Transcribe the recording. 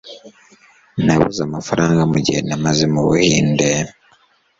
Nabuze amafaranga mugihe namaze mu Buhinde.